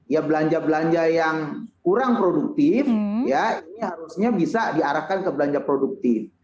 ya belanja belanja yang kurang produktif ya ini harusnya bisa diarahkan ke belanja produktif